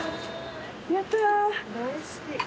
やったー大好き。